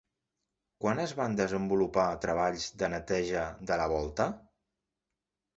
Quan es van desenvolupar treballs de neteja de la volta?